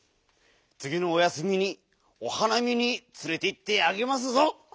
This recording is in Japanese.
つぎのお休みにお花見につれていってあげますぞ！